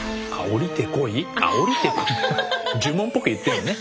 呪文っぽく言ってるのね。